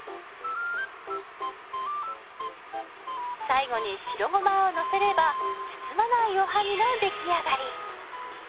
最後に白ごまをのせれば包まないおはぎの出来上がり！